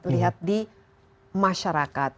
lihat di masyarakat